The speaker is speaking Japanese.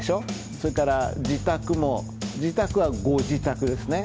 それから「自宅」も「自宅」は「ご自宅」ですね。